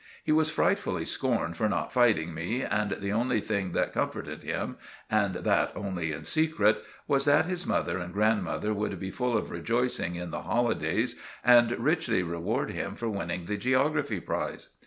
He was frightfully scorned for not fighting me, and the only thing that comforted him, and that only in secret, was that his mother and grandmother would be full of rejoicing in the holidays and richly reward him for winning the geography prize.